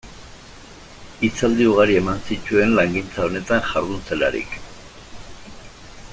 Hitzaldi ugari eman zituen langintza honetan jardun zelarik.